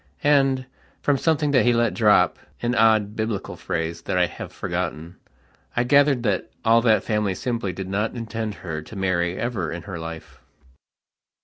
And, from something that he let dropan odd Biblical phrase that I have forgottenI gathered that all that family simply did not intend her to marry ever in her life.